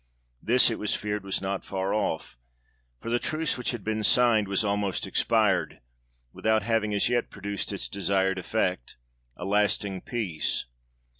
This it was feared was not far off; for the truce which had been signed was almost expired, without having as yet produced its desired effect, a lasting peace.